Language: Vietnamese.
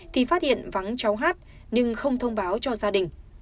thì phát hiện vắng cháu hát nhưng không thông báo cho gia đình